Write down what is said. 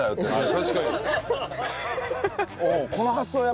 確かに。